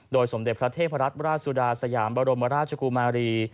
สมเด็จพระเทพรัตนราชสุดาสยามบรมราชกุมารี